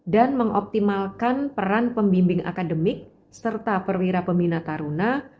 dan mengoptimalkan peran pembimbing akademik serta perwira pembina taruna